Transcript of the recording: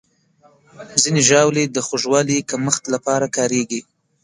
ځینې ژاولې د خوږوالي کمښت لپاره کارېږي.